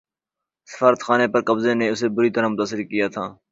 سفارت خانے پر قبضے نے اسے بری طرح متاثر کیا تھا